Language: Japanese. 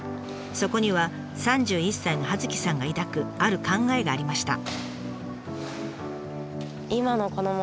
そこには３１歳の葉月さんが抱くある考えがありました。